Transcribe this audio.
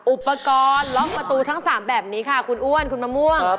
อุปกรณ์ล็อกประตูทั้ง๓แบบนี้ค่ะคุณอ้วนคุณมะม่วง